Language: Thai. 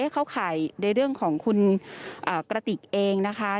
เข้าข่ายในเรื่องของคุณกระติกเองนะคะ